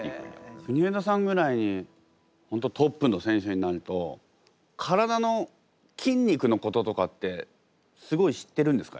国枝さんぐらい本当トップの選手になると体の筋肉のこととかってすごい知ってるんですか？